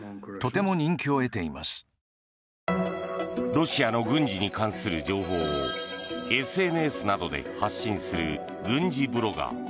ロシアの軍事に関する情報をＳＮＳなどで発信する軍事ブロガー。